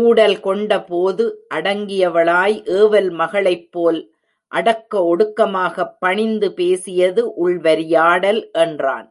ஊடல் கொண்ட போது அடங்கியவளாய் ஏவல் மகளைப் போல் அடக்க ஒடுக்கமாகப் பணிந்து பேசியது உள்வரியாடல் என்றான்.